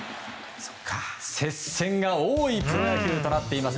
接戦が多いプロ野球となっています。